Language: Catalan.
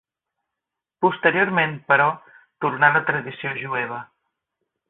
Posteriorment, però, tornà a la tradició jueva.